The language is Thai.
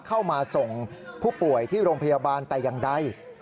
เข้ามาส่งผู้ป่วยที่โรงพยาบาลแต่อย่างใด